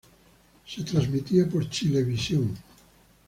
Se transmitía por Chilevisión.